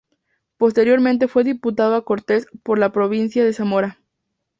Posteriormente fue diputado a Cortes por la provincia de Zamora.